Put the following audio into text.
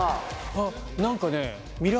あっ何かね。